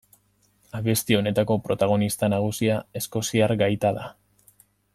Abesti honetako protagonista nagusia eskoziar gaita da.